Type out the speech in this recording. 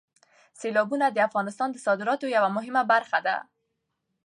سیلابونه د افغانستان د صادراتو یوه مهمه برخه ده.